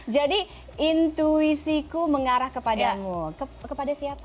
jadi intuisiku mengarah kepadamu kepada siapa